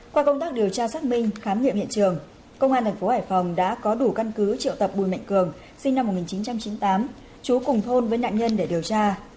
qua công tác điều tra xác minh khám nghiệm hiện trường công an thành phố hải phòng đã có đủ căn cứ triệu tập bùi mạnh cường sinh năm một nghìn chín trăm chín mươi tám chú cùng thôn với nạn nhân để điều tra